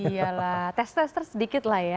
iya lah tes tes ter sedikit lah ya